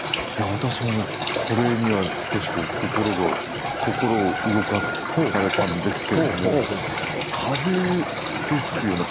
私もこれには少し心を動かされたんですけれども風ですよね。